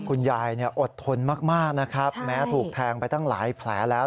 คุณยายอดทนมากนะครับแม้ถูกแทงไปตั้งหลายแผลแล้ว